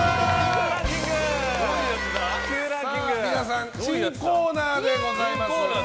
皆さん、新コーナーでございます。